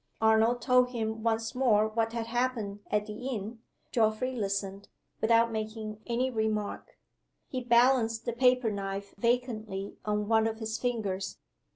Arnold told him once more what had happened at the inn. Geoffrey listened, without making any remark. He balanced the paper knife vacantly on one of his fingers.